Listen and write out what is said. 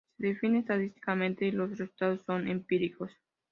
Se define estadísticamente, y los resultados son empíricos.